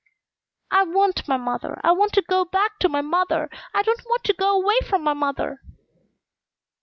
"I want my mother! I want to go back to my mother! I don't want to go 'way from my mother!"